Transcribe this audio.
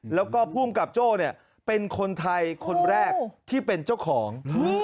แล้วก็ภูมิกับโจ้เนี่ยเป็นคนไทยคนแรกที่เป็นเจ้าของ